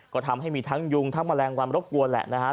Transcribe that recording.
ก็ทำให้มีทั้งยุงทั้งแมลงวันรบกวนแหละนะฮะ